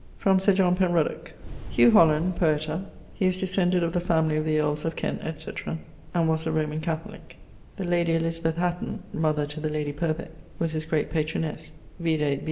From Sir John Penrudock: Hugh Holland, poeta: he was descended of the family of the earles of Kent, etc., and was a Roman Catholique. The lady Elizabeth Hatton (mother to the lady Purb) was his great patronesse (vide B.